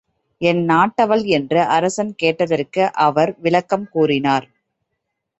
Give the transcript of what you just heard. எந்நாட்டவள் என்று அரசன் கேட்டதற்கு அவர் விளக்கம் கூறினார்.